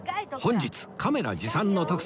本日カメラ持参の徳さん